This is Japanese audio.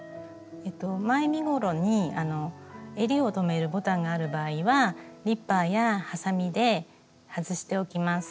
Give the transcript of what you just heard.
前身ごろにえりを留めるボタンがある場合はニッパーやはさみで外しておきます。